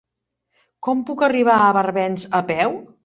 Com puc arribar a Barbens a peu?